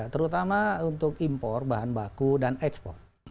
terutama untuk impor bahan baku dan ekspor